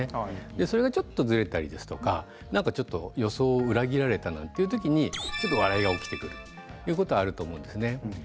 それがちょっとずれたりですとかなんかちょっと予想を裏切られたという時に笑いが起きてくるということがあると思うんです。